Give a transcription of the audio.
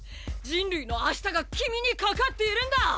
人類の明日が君に懸かっているんだ！！